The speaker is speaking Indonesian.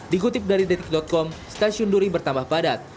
dikutip dari detik com stasiun duri bertambah padat